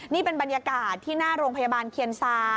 นี่เป็นบรรยากาศที่หน้าโรงพยาบาลเคียนซา